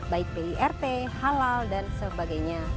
baik pirt halal dan sebagainya